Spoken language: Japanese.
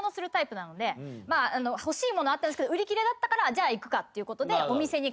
欲しいものあったんですけど売り切れだったからじゃあ行くかっていうことでお店に買いに行ったんですよ。